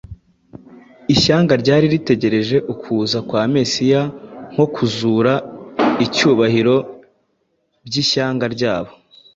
ishyanga ryari ritegereje ukuza kwa Mesiya nko kuzura n’icyubahiro by’ishyanga ryabo.